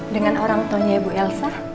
dengan orang tanya bu elsa